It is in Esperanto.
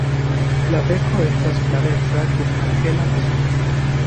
La beko estas flaveca kun malhela pinto.